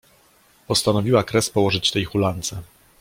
Postanowiła kres położyć tej hulance.